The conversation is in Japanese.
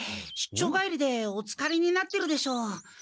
出張帰りでおつかれになってるでしょう。